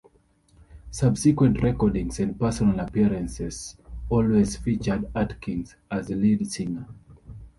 Subsequent recordings and personal appearances always featured Atkins as lead singer.